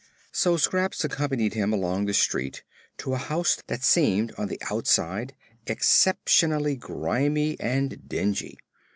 So Scraps accompanied him along the street to a house that seemed on the outside exceptionally grimy and dingy.